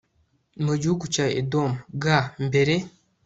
mu gihugu cya Edomu g mbere